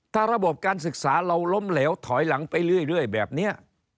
ถ้าระบบการศึกษาเราล้มเหลวถอยหลังไปเรื่อยแบบนี้